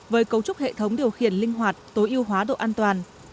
với cấu trúc hệ thống điều khiển linh hoạt tối ưu hóa độ an toàn